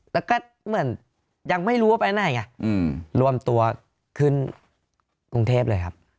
แล้วก็เหมือนยังไม่รู้ว่าไปไหนไงรวมตัวขึ้นกรุงเทพเลยครับ